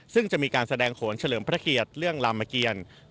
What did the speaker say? ซึ่งจะมีการแสดงโขนเฉลิมพระเกียรติเรื่องลามเกียร